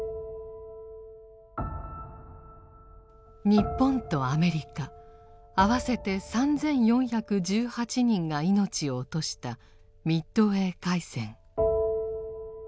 日本とアメリカあわせて３４１８人が命を落としたミッドウェー海戦。